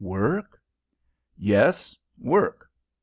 "Work?" "Yes, work."